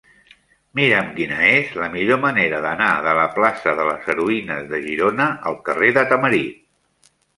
Mira'm quina és la millor manera d'anar de la plaça de les Heroïnes de Girona al carrer de Tamarit.